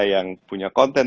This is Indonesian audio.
yang punya konten